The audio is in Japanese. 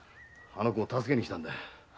あの子を助けに来たんだよ。